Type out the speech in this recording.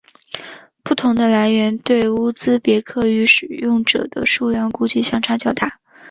不同的来源对乌兹别克语使用者的数量估计相差较大。